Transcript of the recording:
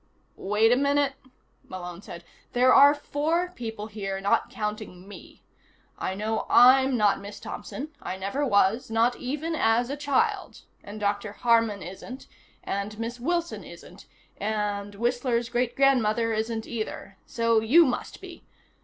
"Wait a minute?" Malone said. "There are four people here, not counting me. I know I'm not Miss Thompson. I never was, not even as a child. And Dr. Harman isn't, and Miss Wilson isn't, and Whistler's Great Grandmother isn't, either. So you must be.